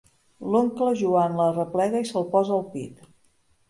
L'oncle Joan l'arreplega i se'l posa al pit.